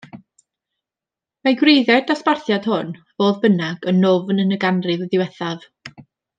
Mae gwreiddiau'r dosbarthiad hwn, fodd bynnag, yn nwfn yn y ganrif ddiwethaf.